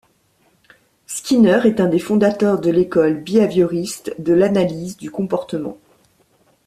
Skinner est un des fondateurs de l'école béhavioriste de l’analyse du comportement.